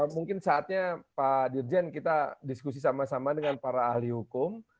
mungkin saatnya pak dirjen kita diskusi sama sama dengan para ahli hukum